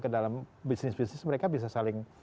ke dalam bisnis bisnis mereka bisa saling